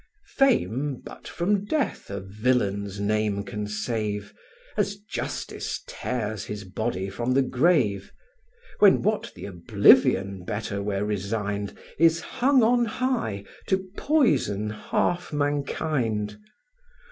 Fame but from death a villain's name can save, As justice tears his body from the grave; When what the oblivion better were resigned, Is hung on high, to poison half mankind.